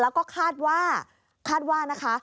แล้วก็คาดว่าคาดว่านะคะ